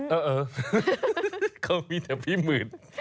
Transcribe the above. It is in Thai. เออเขามีแต่พี่หมื่น